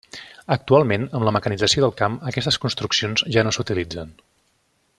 Actualment amb la mecanització del camp aquestes construccions ja no s'utilitzen.